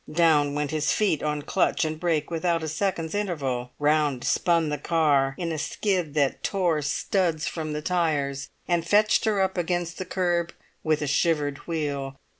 Down went his feet on clutch and brake without a second's interval; round spun the car in a skid that tore studs from the tyres, and fetched her up against the kerb with a shivered wheel.